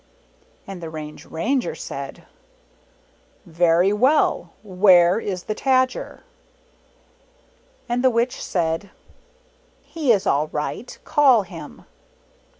" And the Range Ranger said, " Very well ; where is the Tajer?" And the Witch said, "He is all right; call him."